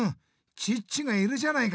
チッチがいるじゃないか！